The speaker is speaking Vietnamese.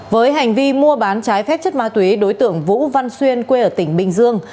với hành vi mua bán trái phép chất ma túy đối tượng vũ văn xuyên quê ở tỉnh bình dương